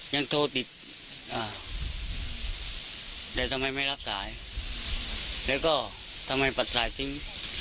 ยังโทรติดอ่าแต่ทำไมไม่รับสายแล้วก็ทำไมปัดสายทิ้ง